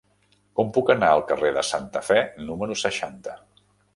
Com puc anar al carrer de Santa Fe número seixanta?